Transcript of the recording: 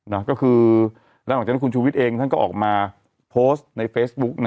แล้วหลังจากนั้นคุณชูวิตเองก็ออกมาโพสต์ในเฟซบู๊ก